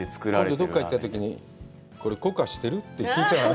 今度どこか行ったときにこれ糊化してる？って聞いちゃうよね。